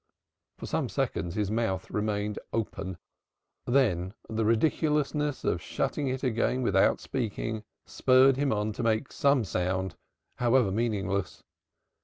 For some seconds his mouth remained open, then the ridiculousness of shutting it again without speaking spurred him on to make some sound, however meaningless.